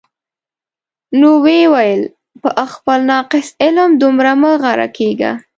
نو ویې ویل: په خپل ناقص علم دومره مه غره کېږه.